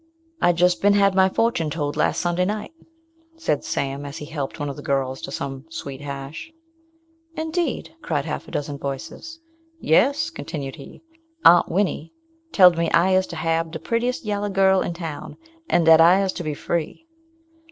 "I jist bin had my fortune told last Sunday night," said Sam, as he helped one of the girls to some sweet hash. "Indeed," cried half a dozen voices. "Yes," continued he; "Aunt Winny teld me I is to hab de prettiest yaller gal in town, and dat I is to be free."